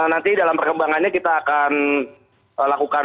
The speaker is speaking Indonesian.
nanti dalam perkembangannya kita akan lakukan